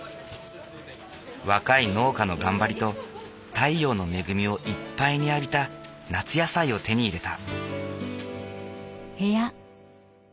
若い農家の頑張りと太陽の恵みをいっぱいに浴びた夏野菜を手に入れた。